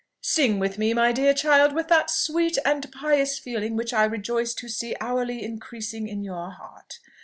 "Sing with me, my dear child, with that sweet and pious feeling which I rejoice to see hourly increasing in your heart.